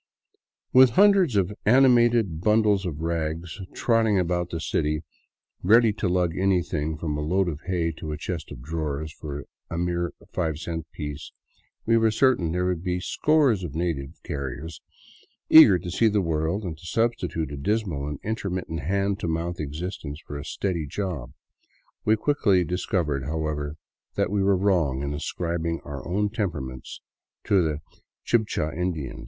With hundreds of animated bundles of rags trotting about the city ready to lug anything from a load of hay to a chest of drawers for a mere five cent piece, we were certain there would be scores of native carriers eager to see the world and to substitute a dismal and inter mittent hand to mouth existence for a steady job. We quickly dis covered, however, that we were wrong in ascribing our own tem peraments to the Chibcha Indian.